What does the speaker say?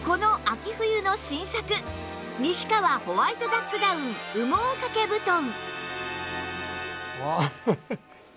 冬の新作西川ホワイトダックダウン羽毛掛け布団